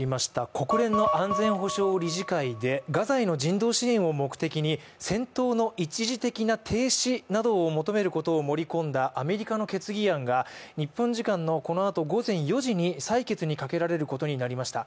国連の安全保障理事会でガザへの支援を目的に戦闘の一時的な停止などを盛り込んだアメリカの決議案が日本時間のこのあと午前４時に採決にかけられることになりました